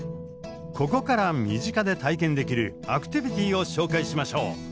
ここから身近で体験できるアクティビティーを紹介しましょう。